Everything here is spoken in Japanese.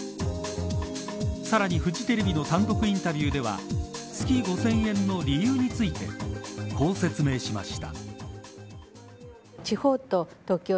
さらに、フジテレビの単独インタビューでは月５０００円の理由についてこう説明しました。